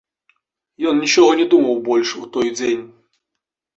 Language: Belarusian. Ён нічога не думаў больш у той дзень.